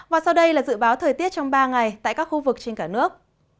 và sau đây là dự báo thời tiết trong ba ngày tại các khu vực trên cả nước